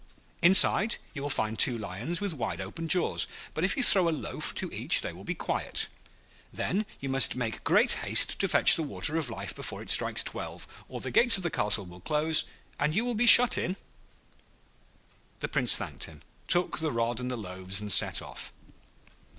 Inside you will find two Lions with wide open jaws, but if you throw a loaf to each they will be quiet. Then you must make haste to fetch the Water of Life before it strikes twelve, or the gates of the castle will close and you will be shut in.' The Prince thanked him, took the rod and the loaves, and set off.